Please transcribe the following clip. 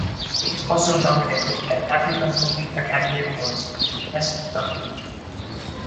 It was also nominated at Africa Movie Academy Awards for Best Documentary.